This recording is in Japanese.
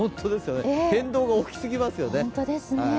変動が大き過ぎますよね。